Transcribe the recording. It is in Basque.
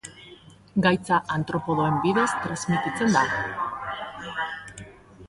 Gaitza artropodoen bidez transmititzen da.